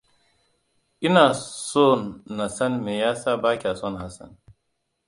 Ina son na san me ya sa ba kya son Hassan.